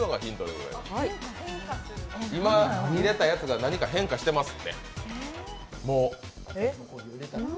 今いれたやつが何か変化していますので。